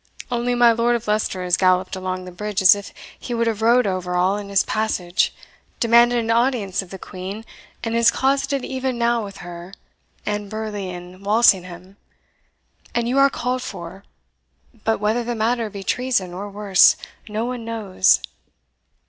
Only, my Lord of Leicester has galloped along the bridge as if he would have rode over all in his passage, demanded an audience of the Queen, and is closeted even now with her, and Burleigh and Walsingham and you are called for; but whether the matter be treason or worse, no one knows."